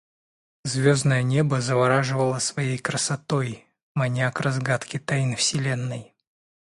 Звездное небо завораживало своей красотой, маня к разгадке тайн Вселенной.